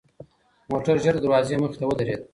موټر ژر د دروازې مخې ته ودرېد.